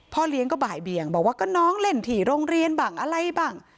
เลี้ยงก็บ่ายเบียงบอกว่าก็น้องเล่นถี่โรงเรียนบ้างอะไรบ้าง